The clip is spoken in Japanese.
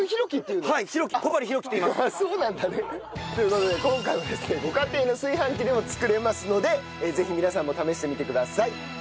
そうなんだね。という事で今回はですねご家庭の炊飯器でも作れますのでぜひ皆さんも試してみてください。